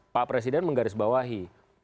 pak presiden menggaris bawahi